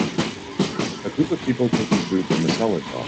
A group of people taking food from a salad bar.